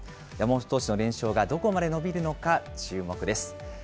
山本投手の連勝がどこまで伸びるのか、注目です。